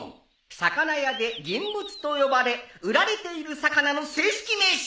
魚屋で「ギンムツ」と呼ばれ売られている魚の正式名称は？